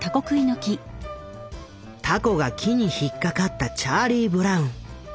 凧が木に引っ掛かったチャーリー・ブラウン。